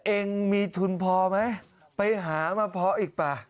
เองมีทุนพอไหมไปหามาเพาะอีกป่ะ